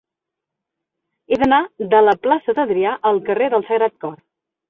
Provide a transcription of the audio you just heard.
He d'anar de la plaça d'Adrià al carrer del Sagrat Cor.